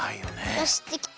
よしできた。